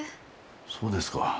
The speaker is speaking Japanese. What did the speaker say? そうですか。